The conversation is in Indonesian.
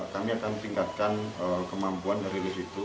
kami akan tingkatkan kemampuan dari lift itu